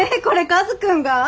これカズくんが？